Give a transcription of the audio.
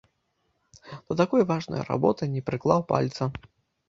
Да такой важнай работы не прыклаў пальца!